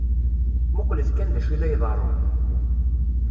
Muqlet kan d acu i la iḍeṛṛun.